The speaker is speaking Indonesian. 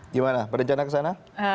gimana berdencana kesana